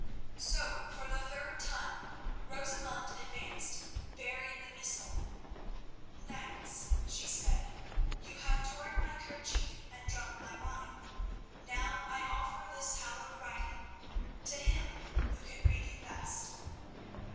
So for the third time Rosamund advanced, bearing the missal. "Knights," she said, "you have torn my kerchief and drunk my wine. Now I offer this hallowed writing—to him who can read it best."